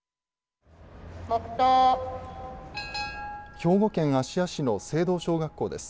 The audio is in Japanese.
兵庫県芦屋市の精道小学校です。